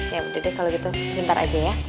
ya udah deh kalau gitu sebentar aja ya